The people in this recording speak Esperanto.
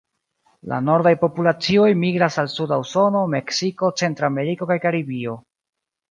La nordaj populacioj migras al suda Usono, Meksiko, Centrameriko kaj Karibio.